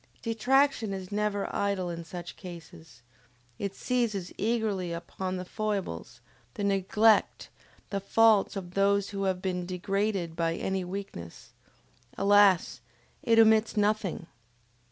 Detraction is never idle in such cases; it seizes eagerly upon the foibles, the neglect, the faults of those who have been degraded by any weakness: alas, it omits nothing!